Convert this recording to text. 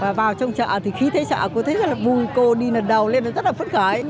và vào trong chợ thì khi thấy chợ cô thấy vui cô đi lần đầu lên rất là phấn khởi